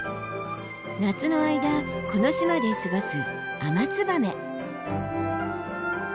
夏の間この島で過ごす